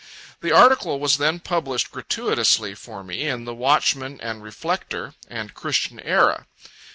The article was then published gratuitously for me in the "Watchman and Reflector" and "Christian Era."